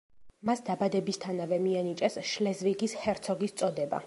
მას დაბადებისთანავე მიანიჭეს შლეზვიგის ჰერცოგის წოდება.